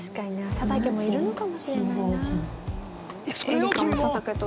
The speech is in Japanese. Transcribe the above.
佐竹もいるのかもしれないな。